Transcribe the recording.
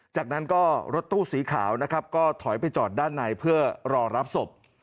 จากนั้นก็รถตู้สีขาวนะครับก็ถอยไปจอดด้านในเพื่อรอรับศพ